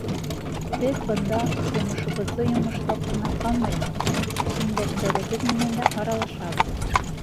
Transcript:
Беҙ бында йомошобоҙҙо йомошлап ҡына ҡалмайбыҙ, тиңдәштәребеҙ менән дә аралашабыҙ.